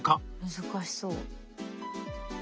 難しそう。